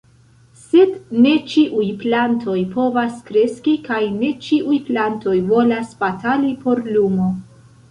Sed ne ĉiuj plantoj povas kreski, kaj ne ĉiuj plantoj volas batali por lumo.